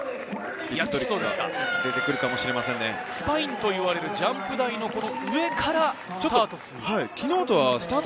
スパインといわれるジャンプ台の上からスタート。